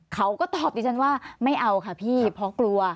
เขาก็ตอบดิฉันว่าไม่เอาค่ะพี่เพราะกลัว